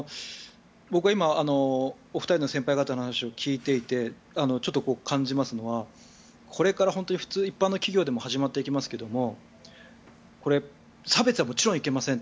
僕は今、お二人の先輩方のお話を聞いていてちょっと感じますのはこれから普通一般の企業でも始まっていきますけれど差別はもちろんいけませんと。